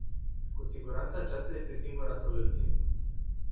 Cu siguranță aceasta este singura soluție.